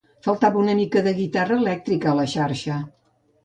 Faltava una mica de guitarra elèctrica a la xarxa.